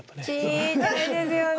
ちっちゃいですよね。